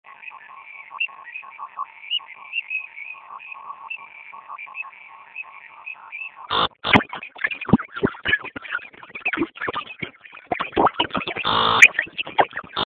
د افغانستان په منظره کې سمندر نه شتون ښکاره ده.